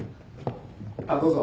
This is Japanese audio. あっどうぞ。